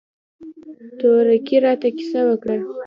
تورکي راته کيسه وکړه.